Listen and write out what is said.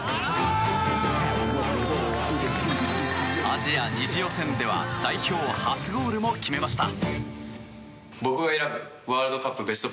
アジア２次予選では代表初ゴールも決めました。